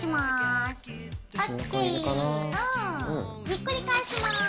ひっくり返します。